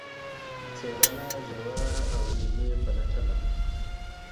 څېړنه ژوره او علمي پلټنه ده.